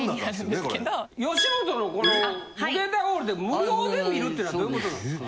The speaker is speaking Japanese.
ヨシモトのこの∞ホールで無料で観るっていうのはどういうことなんですか？